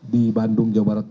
di bandung jawa barat